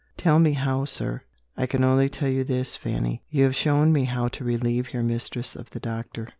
"Tell me how, sir." "I can only tell you this, Fanny. You have shown me how to relieve your mistress of the doctor."